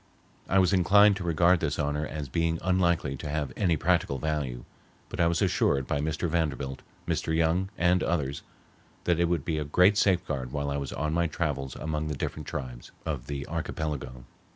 I was inclined to regard this honor as being unlikely to have any practical value, but I was assured by Mr. Vanderbilt, Mr. Young, and others that it would be a great safeguard while I was on my travels among the different tribes of the archipelago.